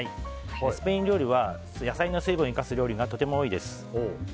スペイン料理は野菜の水分を生かす料理がとても多いです。